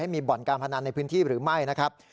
มีบ่อนการพนันในพื้นที่หรือไม่นะครับ